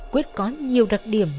quyết có nhiều đặc điểm